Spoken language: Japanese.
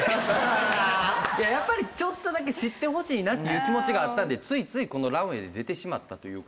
ちょっとだけ知ってほしいなっていう気持ちがあったんでついついこのランウェイで出てしまったという。